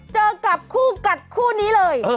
เจอกับคู่กัดคู่นี้เลย